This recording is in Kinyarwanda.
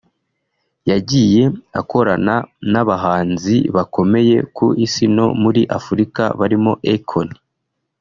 yagiye akorana n’abahanzi bakomeye ku Isi no muri Afurika barimo Akon